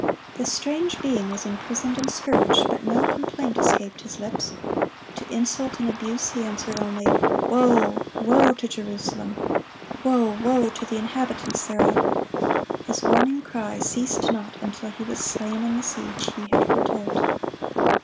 This strange being was imprisoned and scourged, but no complaint escaped his lips. To insult and abuse he answered only, "Woe, woe to Jerusalem!" "woe, woe to the inhabitants thereof!" His warning cry ceased not until he was slain in the siege he had foretold.